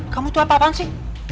kamu tuh apa apaan sih